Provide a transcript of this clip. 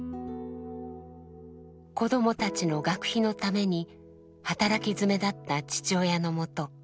子どもたちの学費のために働きづめだった父親のもと